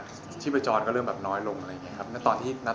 ชีพจรก็เริ่มแบบน้อยลงอะไรอย่างนี้ครับณตอนนั้นนะครับ